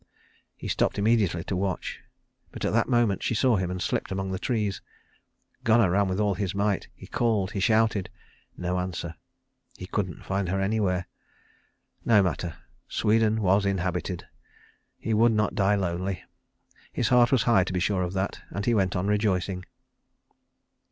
He stopped immediately to watch; but at that moment she saw him and slipped among the trees. Gunnar ran with all his might; he called; he shouted. No answer. He couldn't find her anywhere. No matter. Sweden was inhabited. He would not die lonely. His heart was high to be sure of that, and he went on rejoicing.